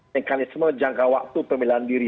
mekanisme jangka waktu pemilihan diri